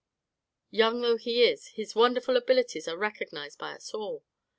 "Young though he is, his wonderful abilities are recognized by us all.